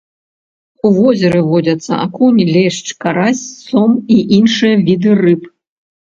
У возеры водзяцца акунь, лешч, карась, сом і іншыя віды рыб.